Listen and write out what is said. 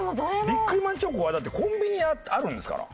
ビックリマンチョコはだってコンビニにあるんですから。